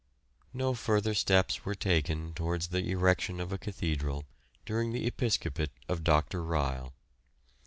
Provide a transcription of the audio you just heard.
No further steps were taken towards the erection of a cathedral during the episcopate of Dr. Ryle.